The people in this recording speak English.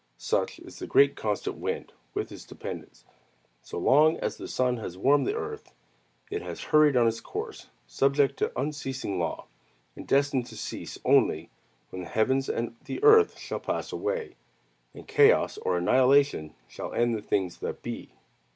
Such is the great constant wind, with its dependents. So long as the sun has warmed the earth, it has hurried on its course, subject to unceasing law, and destined to cease only when the heavens and the earth shall pass away, and chaos or annihilation shall end the things that be.